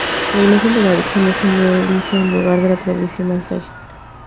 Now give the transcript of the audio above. La imagen de la Virgen es un lienzo en lugar de la tradicional talla.